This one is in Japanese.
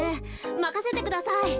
まかせてください。